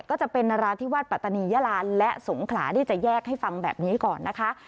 ก็จะเป็นนราธิวาสปัตตานียาลาและสงขลาที่จะแยกให้ฟังแบบนี้ก่อนนะคะ